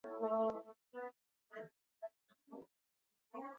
该列车的名称显然是来自十月革命时炮击冬宫的阿芙乐尔号巡洋舰。